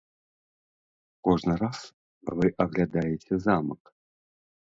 Кожны раз вы аглядаеце замак.